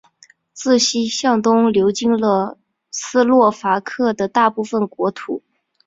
自西向东流经了斯洛伐克的大部分国土。